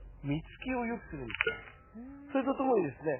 それとともにですね